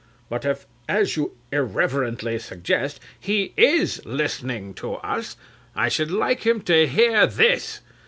But if, as you irreverently suggest, he is listening to us, I should like him to hear this.